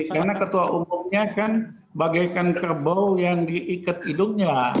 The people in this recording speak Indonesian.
karena ketua umumnya kan bagaikan kerbau yang diikat hidungnya